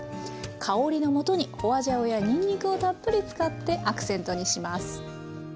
香りのもとに花椒やにんにくをたっぷり使ってアクセントにします。